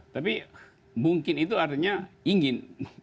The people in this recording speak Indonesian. tapi mungkin itu artinya ingin